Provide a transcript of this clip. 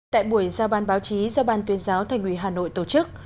tại buổi giao ban báo chí do ban tuyên giáo thành ủy hà nội tổ chức